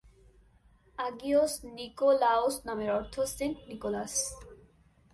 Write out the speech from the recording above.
আগিওস Nikolaos নামের অর্থ "saint Nicolas".